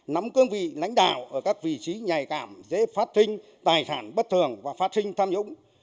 nắm cương vị lãnh đạo ở các vị trí nhạy cảm dễ phát sinh tài sản bất thường và phát sinh tham nhũng